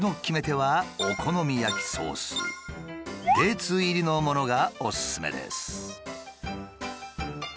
デーツ入りのものがおすすめです。